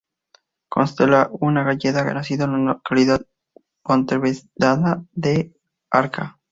Constenla es una gallega nacida en la localidad pontevedresa de Arca.